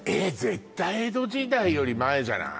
絶対江戸時代より前じゃない？